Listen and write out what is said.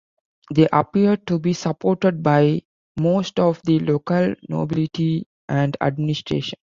They appeared to be supported by most of the local nobility and administration.